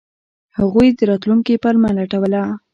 هغوی د راتلونکي پلمه لټوله.